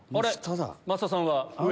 増田さんは上？